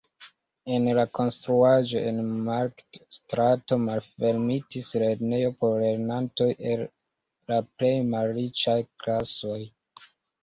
En la konstruaĵo en Markt-strato malfermitis lernejo por lernantoj el la plej malriĉaj klasoj.